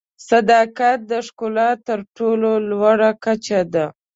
صداقت د ښکلا تر ټولو لوړه کچه ده.